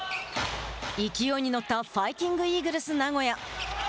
勢いに乗ったファイティングイーグルス名古屋。